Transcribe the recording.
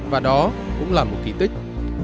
và đó cũng là một kỳ tích